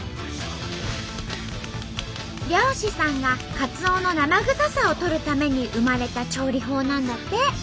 漁師さんがカツオの生臭さを取るために生まれた調理法なんだって。